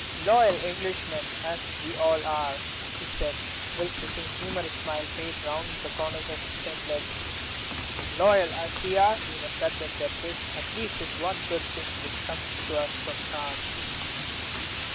"Loyal Englishmen as we all are," he said, whilst the same humorous smile played round the corners of his thin lips—"loyal as we are, we must admit that this at least is one good thing which comes to us from France."